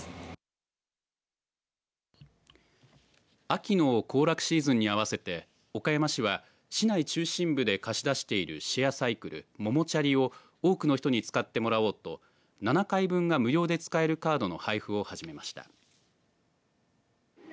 秋の行楽シーズンにあわせて岡山市は市内中心部で貸し出しているシェアサイクルももちゃりを多くの人に使ってもらおうと７回分が無料で使えるカードの配布を始めました。